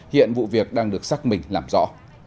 hiện vụ việc đang được xác minh làm rõ